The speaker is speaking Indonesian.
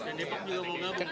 pak dendepak juga mau gabung